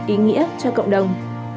ý nghĩa cho cộng đồng